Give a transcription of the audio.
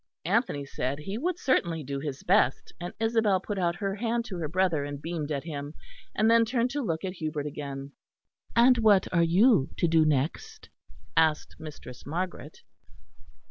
Anthony said he would certainly do his best; and Isabel put out her hand to her brother, and beamed at him; and then turned to look at Hubert again. "And what are you to do next?" asked Mistress Margaret.